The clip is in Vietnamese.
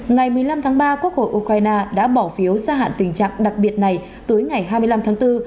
ngày một mươi năm tháng ba quốc hội ukraine đã bỏ phiếu gia hạn tình trạng đặc biệt này tới ngày hai mươi năm tháng bốn